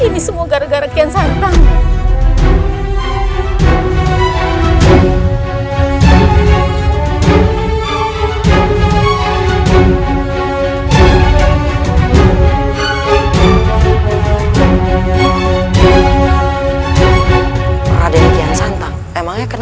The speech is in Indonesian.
ini semua gara gara kian saya yang berada di sini